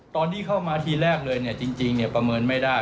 ตอนที่เข้ามาที่แรกเลยเนี่ยจริงเนี่ยประเมินไม่ได้